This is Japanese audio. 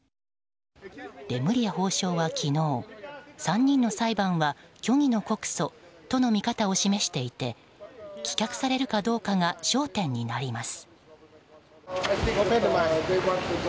レムリヤ法相は昨日３人の裁判は虚偽の告訴との見方を示してて棄却されるかどうかが焦点になります。